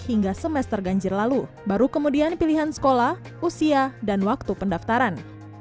hingga semester ganjir lalu baru kemudian pilihan sekolah usia dan waktu pendaftaran